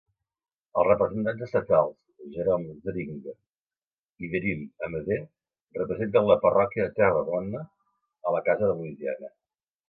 Els representants estatals Jerome Zeringue i Beryl Amedee representen la Parròquia de Terrebonne a la Casa de Louisiana.